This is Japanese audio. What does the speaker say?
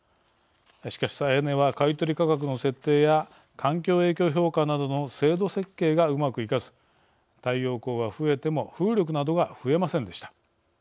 しかし、再エネは買い取り価格の設定や環境影響評価などの制度設計がうまくいかず太陽光は増えても風力などが増えませんでした。